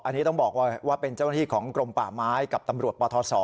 อันนี้ต้องบอกว่าเป็นเจ้าหน้าที่ของกรมป่าไม้กับตำรวจปทศ